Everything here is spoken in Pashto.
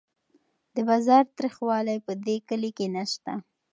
د بازار تریخوالی په دې کلي کې نشته.